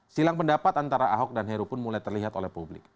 silang pendapat antara ahok dan heru pun mulai terlihat oleh publik